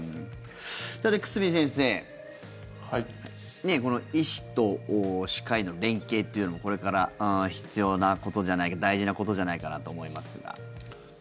さて、久住先生この医師と歯科医の連携というのもこれから必要なこと大事なことじゃないかなと思いますが。